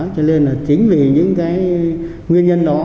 cho nên là chính vì những cái nguyên nhân đó